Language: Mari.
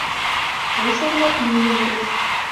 Ошо-влак лӱйылтыт.